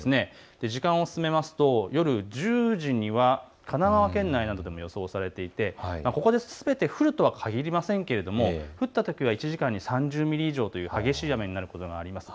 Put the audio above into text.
時間を進めますと、夜１０時には神奈川県内などでも予想されていてここですべて降るとはかぎりませんけれども、降ったときは１時間に３０ミリ以上という激しい雨になることがあります。